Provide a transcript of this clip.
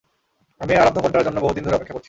আমি এই আরাধ্য ক্ষণটার জন্য বহুদিন ধরে অপেক্ষা করেছি!